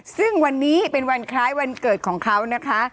ซึ่งวันนี้เป็นวันคล้ายวันเกิดของเขานะคะ